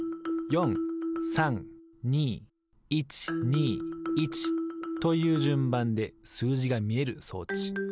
この４３２１２１というじゅんばんですうじがみえる装置。